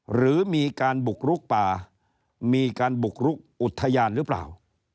หรือมีการบุกลุกป่ามีการบุกรุกอุทยานหรือเปล่า